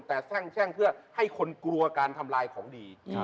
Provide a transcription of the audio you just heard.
แต่ให้ช่างเพื่อให้กลัวคนการทำลายของดี